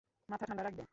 মাথা ঠান্ডা রাখবে।